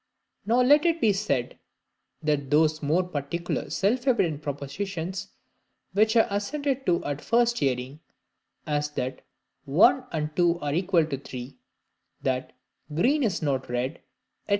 Nor let it be said, that those more particular self evident propositions, which are assented to at first hearing, as that "one and two are equal to three," that "green is not red," &c.